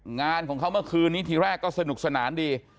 งานของเขาเมื่อคืนนี้ทีแรกก็สนุกสนานดี